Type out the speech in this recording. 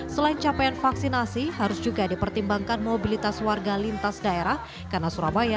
selain capaian vaksinasi harus juga dipertimbangkan mobilitas warga lintas daerah karena surabaya